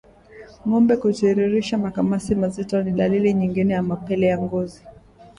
Ngombe kutiririsha makamasi mazito ni dalili nyingine ya mapele ya ngozi